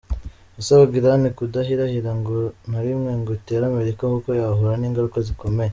Yasabaga Irani kudahirahira "na rimwe" ngo itere Amerika kuko yahura n'ingaruka zikomeye.